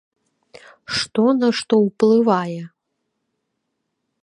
Што на што ўплывае?